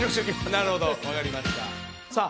なるほど分かりましたさあ